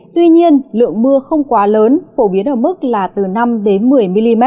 tuy nhiên lượng mưa không quá lớn phổ biến ở mức là từ năm một mươi mm